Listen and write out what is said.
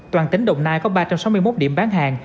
toàn tỉnh đồng nai có ba trăm sáu mươi một điểm bán hàng